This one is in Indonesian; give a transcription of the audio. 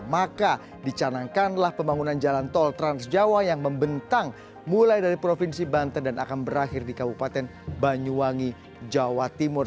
maka dicanangkanlah pembangunan jalan tol transjawa yang membentang mulai dari provinsi banten dan akan berakhir di kabupaten banyuwangi jawa timur